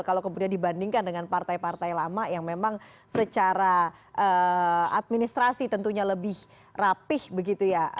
kalau kemudian dibandingkan dengan partai partai lama yang memang secara administrasi tentunya lebih rapih begitu ya